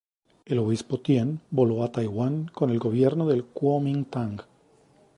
El obispo Tien voló a Taiwán con el gobierno del Kuomintang.